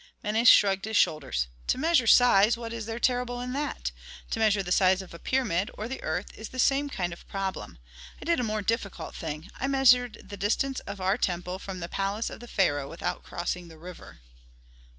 Menes shrugged his shoulders. "To measure size, what is there terrible in that? To measure the size of a pyramid, or the earth is the same kind of problem. I did a more difficult thing. I measured the distance of our temple from the palace of the pharaoh without crossing the river."